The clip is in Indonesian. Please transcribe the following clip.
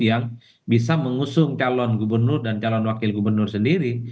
yang bisa mengusung calon gubernur dan calon wakil gubernur sendiri